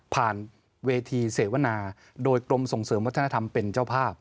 ผ่านเวทีเสวนาโดยกรมส่งเสริมวัฒนธรรมเป็นเจ้าภาพ